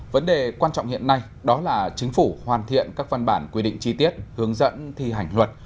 vấn đề quan trọng hiện nay đó là chính phủ hoàn thiện các văn bản quy định chi tiết hướng dẫn thi hành luật